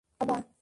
নে, বাবা!